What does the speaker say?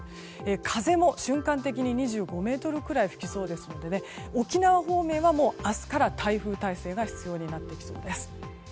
風も瞬間的に２５メートルぐらい吹きそうですので沖縄方面はもう、明日から台風態勢が必要になってきそうです。